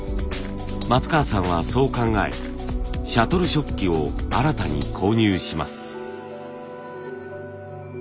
松川さんはそう考えシャトル織機を新たに購入します。